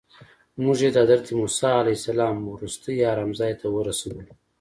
موږ یې د حضرت موسی علیه السلام وروستي ارام ځای ته ورسولو.